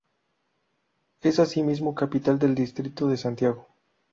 Es asimismo capital del distrito de Santiago.